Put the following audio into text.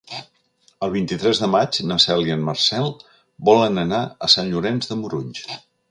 El vint-i-tres de maig na Cel i en Marcel volen anar a Sant Llorenç de Morunys.